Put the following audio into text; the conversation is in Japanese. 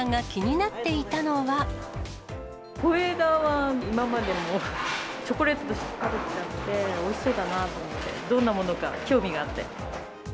小枝は今までも、チョコレートとして食べてたので、おいしそうだなと思って、どんなものか、興味があって。